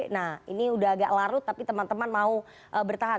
nah ini udah agak larut tapi teman teman mau bertahan